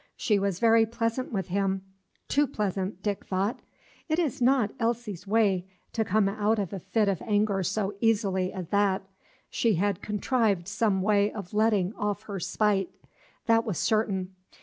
She was very pleasant with him, too pleasant, Dick thought. It was not Elsie's way to come out of a fit of anger so easily as that. She had contrived some way of letting off her spite; that was certain.